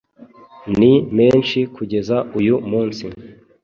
ni menshi kugeza uyu munsi.